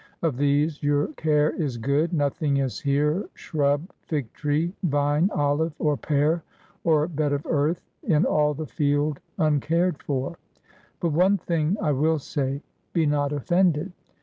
Of these your care is good. Nothing is here — shrub, fig tree, vine, olive, or pear, or bed of earth, — in all the field uncared for. But one thing I will say; be not offended.